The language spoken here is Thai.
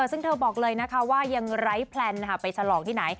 ซึ่งเธอบอกเลยนะคะว่ายังไร้แพลนไปฉลองที่ไหน